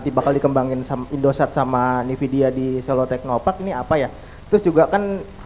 tiba kali kembangin sampe dosat sama nvidia di solo teknopark ini apa ya terus juga kan